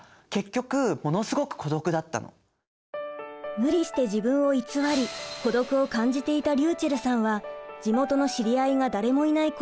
無理して自分を偽り孤独を感じていたりゅうちぇるさんは地元の知り合いが誰もいない高校へ進学。